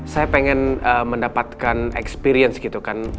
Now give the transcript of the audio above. saya pengen mendapatkan experience gitu kan